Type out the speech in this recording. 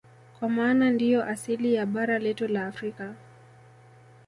Kwa maana ndiyo asili ya bara letu la Afrika